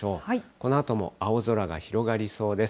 このあとも青空が広がりそうです。